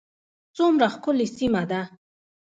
څومره ښکلې سیمه ده